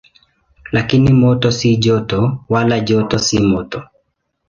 Lakini moto si joto, wala joto si moto.